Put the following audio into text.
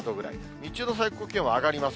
日中の最高気温は上がります。